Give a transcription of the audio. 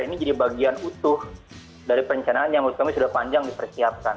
ini jadi bagian utuh dari perencanaan yang menurut kami sudah panjang dipersiapkan